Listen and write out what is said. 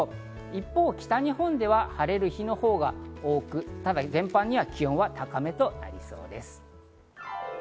一方、北日本では晴れる日のほうが多く、全般に気温は高めとなりそうです。